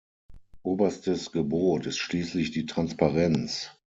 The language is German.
Oberstes Gebot ist schließlich die Transparenz.